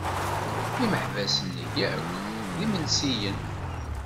Imeḥbas-nni yakk d imelsiyen.